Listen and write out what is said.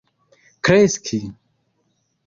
kreski